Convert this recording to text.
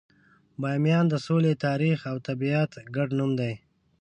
بامیان د سولې، تاریخ، او طبیعت ګډ نوم دی.